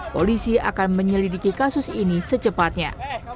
polisi akan menyelidiki kasus ini secepatnya